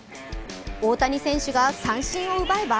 大谷選手が三振を奪えば